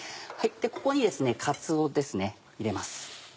ここにかつおですね入れます。